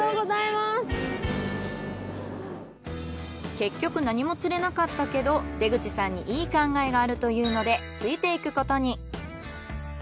結局何も釣れなかったけど出口さんにいい考えがあるというのでついていくことに。